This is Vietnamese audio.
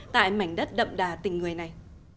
tại mảnh đất đậm đà tỉnh người này